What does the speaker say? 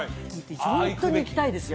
ホントに行きたいですよ